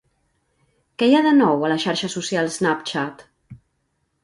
Què hi ha de nou a la xarxa social Snapchat?